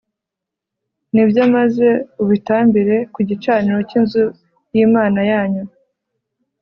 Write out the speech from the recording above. ni byo maze ubitambire ku gicaniro cy inzu y Imana yanyu